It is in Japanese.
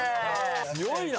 強いな！